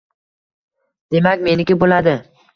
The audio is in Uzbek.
—Demak, meniki bo‘ladi.